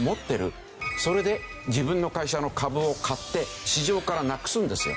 それで自分の会社の株を買って市場からなくすんですよ。